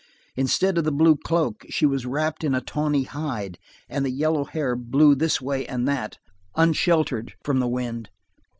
Instead of the blue cloak, she was wrapped in a tawny hide, and the yellow hair blew this way and that, unsheltered from the wind.